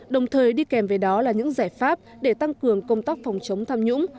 đồng thời đi kèm với đó là những giải pháp để tăng cường công tác phòng chống tham nhũng